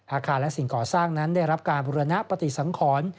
อาคารและสิ่งก่อสร้างนั้นได้รับการบุรณปฏิสังขร